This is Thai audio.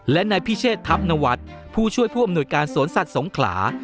และนายพิเชษทัพนวัฒน์ผู้ช่วยผู้อำนวยการสวนสัตว์สงขลา